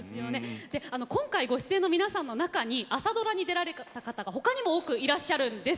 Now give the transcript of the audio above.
今回ご出演の皆さんの中に朝ドラに出られた方が他にも多くいらっしゃるんです。